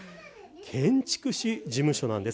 建築士事務所なんです。